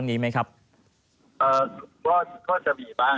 ก็จะมีบ้างแต่ไม่ให้ทั้งหมดเพราะเราเมื่อก่อนในพันธุ์กลับแล้ว